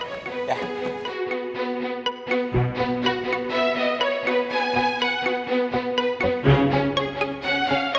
meka kita harus semangat